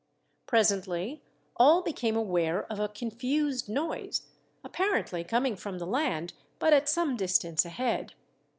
Presently, all became aware of a confused noise, apparently coming from the land, but at some distance ahead.